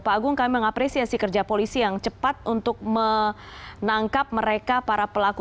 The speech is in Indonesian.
pak agung kami mengapresiasi kerja polisi yang cepat untuk menangkap mereka para pelaku